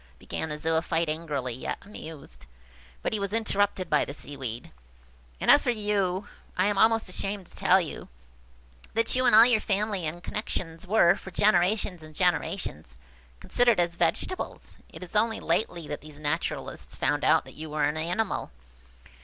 began the Zoophyte, angrily, yet amused–but he was interrupted by the Seaweed– "And as for you–I am almost ashamed to tell you–that you and all your family and connexions were, for generations and generations, considered as vegetables. It is only lately that these naturalists found out that you were an animal.